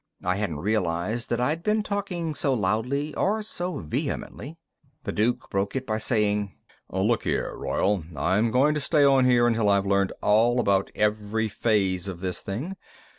I hadn't realized that I'd been talking so loudly or so vehemently. The Duke broke it by saying: "Look here, Royall; I'm going to stay on here until I've learned all about every phase of this thing.